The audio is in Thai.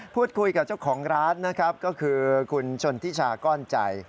พูดคุยกับเจ้าของร้านก็คือคุณชนทิชาก้อนจัย